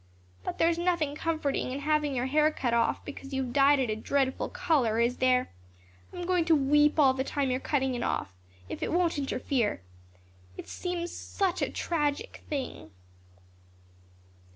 But there is nothing comforting in having your hair cut off because you've dyed it a dreadful color, is there? I'm going to weep all the time you're cutting it off, if it won't interfere. It seems such a tragic thing."